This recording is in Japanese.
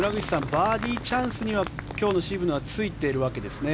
バーディーチャンスには今日の渋野はついているわけですね？